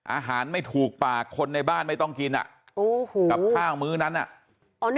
อาหารไม่ถูกปากคนในบ้านไม่ต้องกินอ่ะโอ้โหกับข้าวมื้อนั้นอ่ะอ๋อนี่